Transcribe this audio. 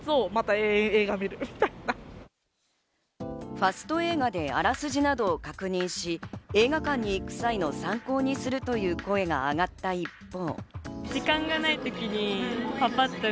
ファスト映画であらすじなどを確認し、映画館に行く際の参考にするという声があがった一方。